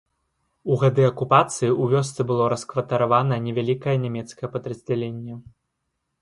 У гады акупацыі ў вёсцы было раскватаравана невялікае нямецкае падраздзяленне.